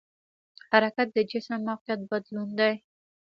حرکت د جسم موقعیت بدلون دی.